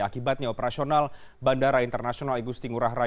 akibatnya operasional bandara internasional agusti ngurah raya